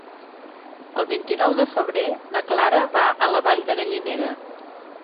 El vint-i-nou de febrer na Clara va a la Vall de Gallinera.